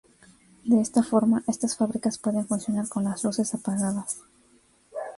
De esta forma estas fábricas pueden funcionar con las "luces apagadas".